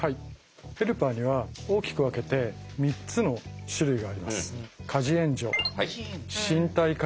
ヘルパーには大きく分けて３つの種類があります。